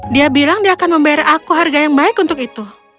dia bilang dia akan membayar aku harga yang baik untuk itu